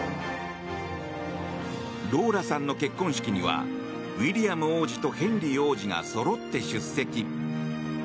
ローラさんの結婚式にはウィリアム王子とヘンリー王子がそろって出席。